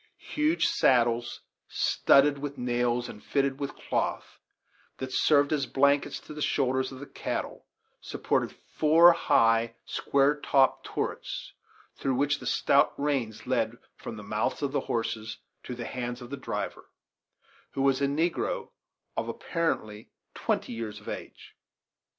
Huge saddles, studded with nails and fitted with cloth that served as blankets to the shoulders of the cattle, supported four high, square topped turrets, through which the stout reins led from the mouths of the horses to the hands of the driver, who was a negro, of apparently twenty years of age.